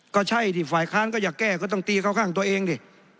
ก็ใช่ที่ฝ่ายค้านก็อยากแก้ก็ต้องตีเข้าข้างตัวเองดิ